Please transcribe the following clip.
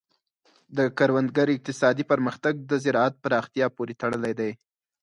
د کروندګر اقتصادي پرمختګ د زراعت پراختیا پورې تړلی دی.